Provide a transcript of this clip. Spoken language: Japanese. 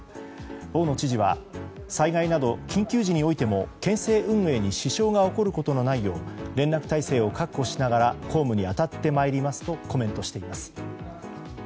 大野知事は災害など緊急時においても支障が起こることのないよう連絡体制を確保しながら公務に当たってまいりますとコメントしています。